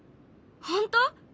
本当？